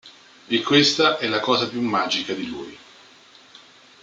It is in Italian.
E questa è la cosa più magica di lui".